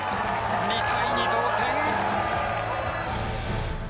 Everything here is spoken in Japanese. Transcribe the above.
２対２、同点。